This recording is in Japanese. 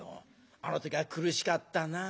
あの時は苦しかったな。